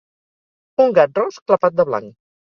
Un gat ros clapat de blanc.